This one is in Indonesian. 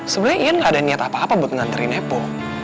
sebenernya ian gak ada niat apa apa buat nganterin epo